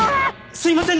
すみません。